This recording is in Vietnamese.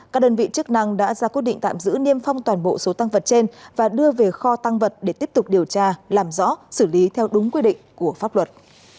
các đơn vị chức năng đã ra quyết định tạm giữ niêm phong toàn bộ số tăng vật trên và đưa về kho tăng vật để tiếp tục điều tra làm rõ xử lý theo đúng quy định của pháp luật